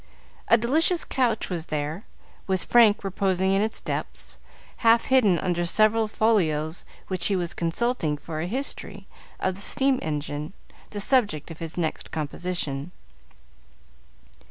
A delicious couch was there, with Frank reposing in its depths, half hidden under several folios which he was consulting for a history of the steam engine, the subject of his next composition.